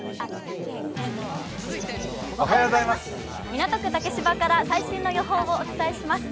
港区竹芝から最新の予報をお伝えします。